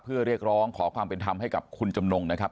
เพื่อเรียกร้องขอความเป็นธรรมให้กับคุณจำนงนะครับ